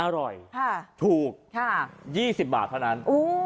อร่อยถูก๒๐บาทเท่านั้น